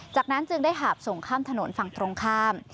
จากนั้นจึงได้หาบส่งข้ามถนนฝั่งตรงข้าม